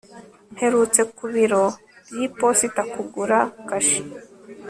mperutse ku biro by'iposita kugura kashe